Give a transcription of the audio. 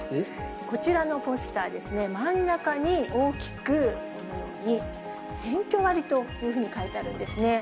こちらのポスターですね、真ん中に大きくこのようにセンキョ割というふうに書いてあるんですね。